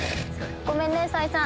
ごめんねサイさん。